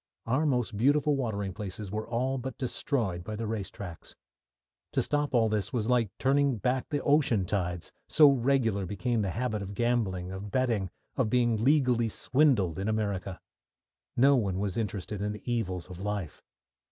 Our most beautiful watering places were all but destroyed by the race tracks. To stop all this was like turning back the ocean tides, so regular became the habit of gambling, of betting, of being legally swindled in America. No one was interested in the evils of life.